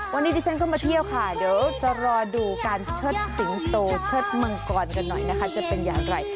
วันนี้ดิฉันเข้ามาเที่ยวค่ะเดี๋ยวจะรอดูการเชิดสิงโตเชิดมังกรกันหน่อยนะคะจะเป็นอย่างไร